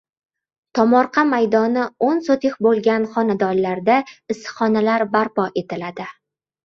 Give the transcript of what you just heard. Tomorqa maydoni o‘n sotix bo‘lgan xonadonlarda issiqxonalar barpo etiladi